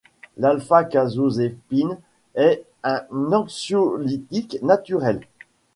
L'alpha-casozépine est un anxiolytique naturel.